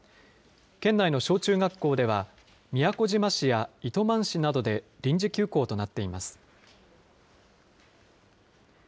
県内の小中学校では、宮古島市や糸満市などで臨時休校となっています。